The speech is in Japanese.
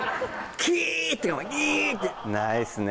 キーッてイーッてないっすね